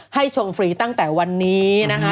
ชมฟรีตั้งแต่วันนี้นะคะ